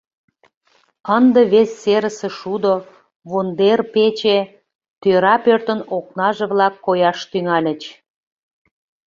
Ынде вес серысе шудо, вондер-пече, тӧра пӧртын окнаже-влак кояш тӱҥальыч.